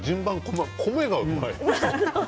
まず米がうまい。